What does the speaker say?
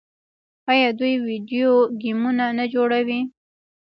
آیا دوی ویډیو ګیمونه نه جوړوي؟